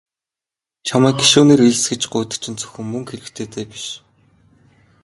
Чамайг гишүүнээр элс гэж гуйдаг чинь зөвхөн мөнгө хэрэгтэйдээ биш.